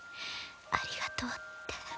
ありがとうって。